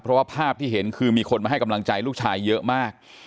เพราะว่าภาพที่เห็นคือมีคนมาให้กำลังใจลูกชายเยอะมาก